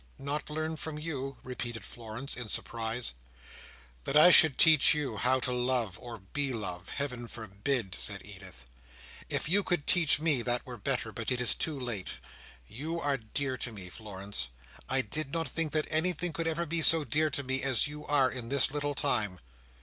"Not learn from you?" repeated Florence, in surprise. "That I should teach you how to love, or be loved, Heaven forbid!" said Edith. "If you could teach me, that were better; but it is too late. You are dear to me, Florence. I did not think that anything could ever be so dear to me, as you are in this little time."